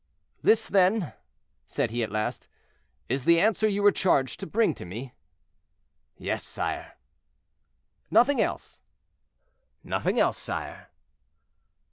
"This, then," said he at last, "is the answer you were charged to bring me?" "Yes, sire." "Nothing else?" "Nothing else, sire."